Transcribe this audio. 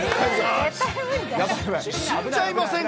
死んじゃいませんか？